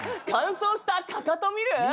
乾燥したかかと見る？